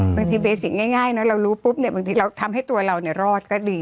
บางทีเบสิกง่ายนะเรารู้ปุ๊บเนี่ยบางทีเราทำให้ตัวเรารอดก็ดี